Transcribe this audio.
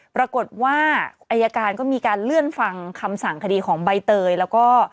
ปรากฏว่าอายการก็มีการเลื่อนฟังคำสั่งคดีของใบเตยแล้วก็